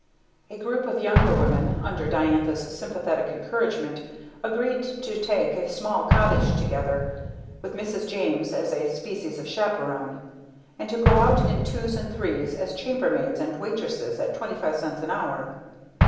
A group of younger women, under Diantha's sympathetic encouragement, agreed to take a small cottage together, with Mrs. James as a species of chaperone; and to go out in twos and threes as chambermaids and waitresses at 25 cents an hour.